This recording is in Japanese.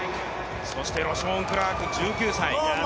そしてロショーン・クラーク１９歳。